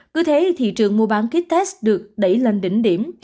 cứ thế thị trường mua bán ký test được đẩy lên đỉnh điểm